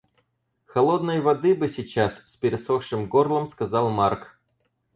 «Холодной воды бы сейчас», — с пересохшим горлом сказал Марк